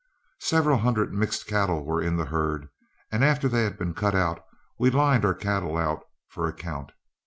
Several hundred mixed cattle were in the herd, and after they had been cut out, we lined our cattle out for a count.